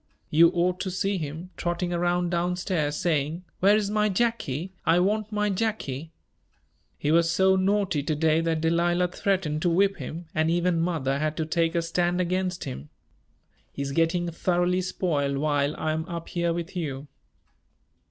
You ought to see him, trotting around down stairs, saying: 'Where is my Jacky? I want my Jacky.' He was so naughty to day that Delilah threatened to whip him, and even mother had to take a stand against him. He is getting thoroughly spoiled while I am up here with you."